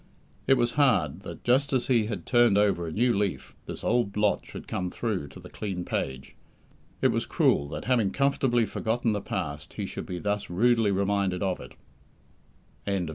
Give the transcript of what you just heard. It was hard that, just as he had turned over a new leaf, this old blot should come through to the clean page. It was cruel that, having comfortably forgotten the past, he should be thus rudely reminded of it. CHAPTER III.